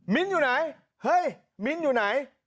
อยู่ไหนเฮ้ยมิ้นอยู่ไหน